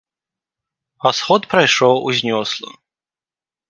А сход прайшоў узнёсла.